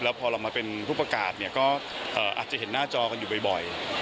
พอเรามาเป็นผู้ประกาศเนี่ยก็อาจจะเห็นหน้าจอกันอยู่บ่อย